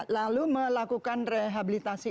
lalu melakukan rehabilitasi